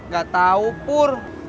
gak tau pur